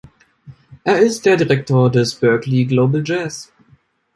Er ist der Direktor des Berklee Global Jazz.